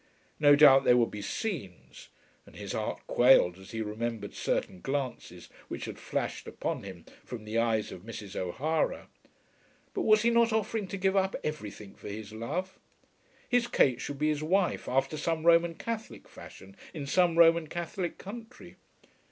No doubt there would be scenes, and his heart quailed as he remembered certain glances which had flashed upon him from the eyes of Mrs. O'Hara. But was he not offering to give up everything for his love? His Kate should be his wife after some Roman Catholic fashion in some Roman Catholic country.